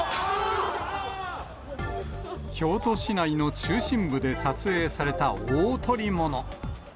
京都市内の中心部で撮影された大捕り物。